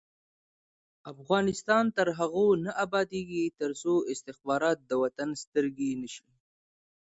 افغانستان تر هغو نه ابادیږي، ترڅو استخبارات د وطن سترګې نشي.